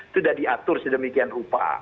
sudah diatur sedemikian rupa